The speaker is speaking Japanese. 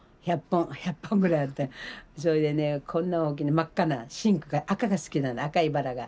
それでねこんな大きな真っ赤な深紅が赤が好きなの赤いバラが。